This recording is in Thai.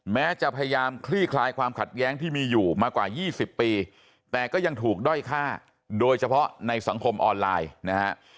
แม้จะพยายามคลี่คลายความขัดแย้งที่มีอยู่มากว่า๒๐ปีแต่ก็ยังถูกด้อยฆ่าโดยเฉพาะในสังคมออนไลน์นะฮะ